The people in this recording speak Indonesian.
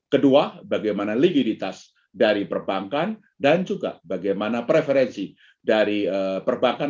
kedua bagaimana likuiditas dari perbankan dan juga bagaimana preferensi dari perbankan